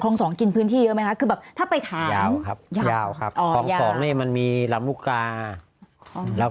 ๒กินพื้นที่เยอะไหมนะคือแบบถ้าไปถามครับมันมีละมุกาแล้ว